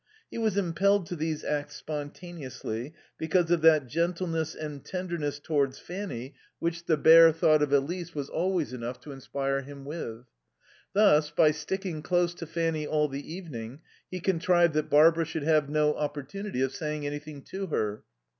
He was impelled to these acts spontaneously, because of that gentleness and tenderness towards Fanny which the bare thought of Elise was always enough to inspire him with. Thus, by sticking close to Fanny all the evening he contrived that Barbara should have no opportunity of saying anything to her.